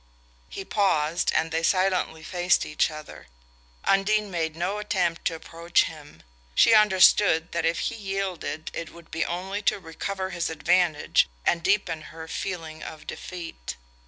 He paused, and they silently faced each other. Undine made no attempt to approach him: she understood that if he yielded it would be only to recover his advantage and deepen her feeling of defeat.